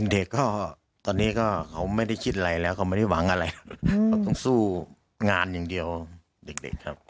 เด็กก็ตอนนี้ก็เขาไม่ได้คิดอะไรแล้วเขาไม่ได้หวังอะไรเขาต้องสู้งานอย่างเดียวเด็กครับ